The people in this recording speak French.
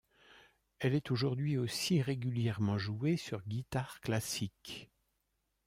Elle est aujourd'hui aussi régulièrement jouée sur guitare classique.